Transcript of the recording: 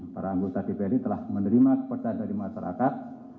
para anggota dprd telah menerima kepercayaan dari masyarakat